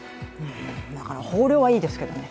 豊漁はいいですけどね。